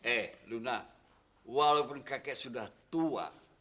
eh luna walaupun kakek sudah tua